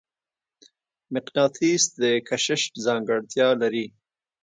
مقناطیس د کشش ځانګړتیا لري.